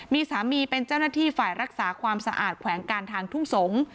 มีสามีเป็นเจ้าหน้าที่ฝ่ายรักษาความสะอาดแขวงการทางทุ่งสงศ์